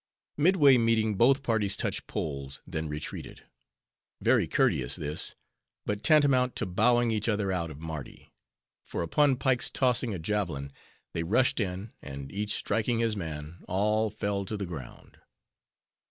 Midway meeting, both parties touched poles, then retreated. Very courteous, this; but tantamount to bowing each other out of Mardi; for upon Pike's tossing a javelin, they rushed in, and each striking his man, all fell to the ground.